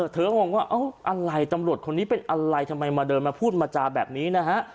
งงว่าอะไรตำรวจคนนี้เป็นอะไรทำไมมาเดินมาพูดมาจาแบบนี้นะฮะ